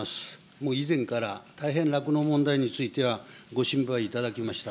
もう以前から大変酪農問題については、ご心配いただきました。